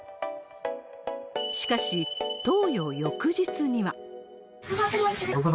しかし、投与翌日には。